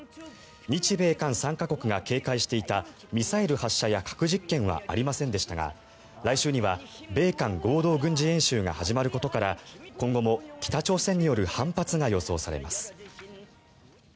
日米韓３か国が警戒していたミサイル発射や核実験はありませんでしたが来週には米韓合同軍事演習が始まることから今後も北朝鮮による反発が予想されます。